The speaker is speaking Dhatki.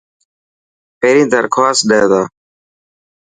پهرين درخواست ڏي تا.